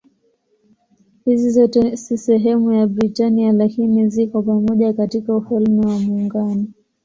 Hizi zote si sehemu ya Britania lakini ziko pamoja katika Ufalme wa Muungano.